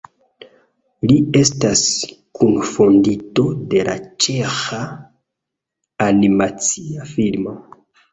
Li estas kunfondinto de la Ĉeĥa Animacia Filmo.